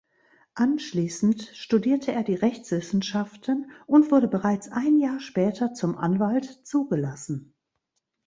Anschließend studierte er die Rechtswissenschaften und wurde bereits ein Jahr später zum Anwalt zugelassen.